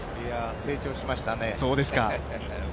成長しましたね。